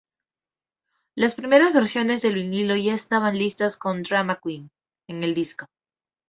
Las primeras versiones del vinilo ya estaban listas con "Drama Queen" en el disco.